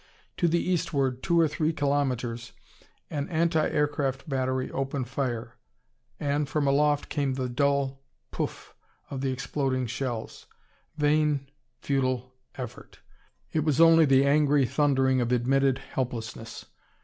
To the eastward, two or three kilometers, an anti aircraft battery opened fire, and from aloft came the dull pouf! of the exploding shells. Vain, futile effort! It was only the angry thundering of admitted helplessness.